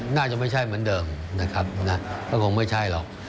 น่าจะไม่ใช่เหมือนเดิมนะครับก็คงไม่ใช่หรอก